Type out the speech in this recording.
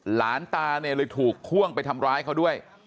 หลานตาเนี่ยเลยถูกพ่วงไปทำร้ายเขาด้วย